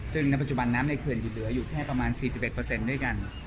ซึ่งในปัจจุบันน้ำในเขื่อนอยู่เหลืออยู่แค่ประมาณ๔๑ด้วยกัน